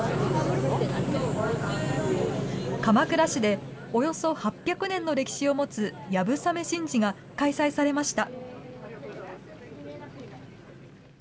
鎌倉市でおよそ８００年の歴史を持つやぶさめ神事が開催されました。